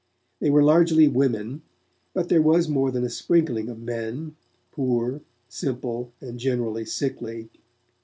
They were largely women, but there was more than a sprinkling of men, poor, simple and generally sickly.